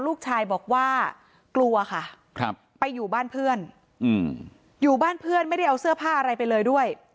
ลูกชายบอกว่ากลัวค่ะไปอยู่บ้านเพื่อนอยู่บ้านเพื่อนไม่ได้เอาเสื้อผ้าอะไรไปเลยด้วย